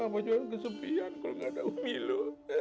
abah jual kesepian kalau gak ada umi lho